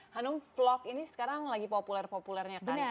hanum vlog ini sekarang lagi populer populernya kan ya